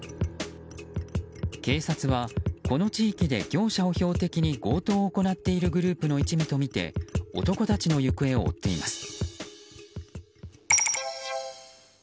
警察は、この地域で業者を標的に強盗を行っているグループの一味とみて男たちの行方を追っています。